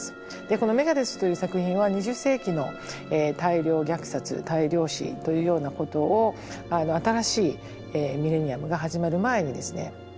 この「ＭＥＧＡＤＥＡＴＨ」という作品は２０世紀の大量虐殺大量死というようなことを新しいミレニアムが始まる前にですね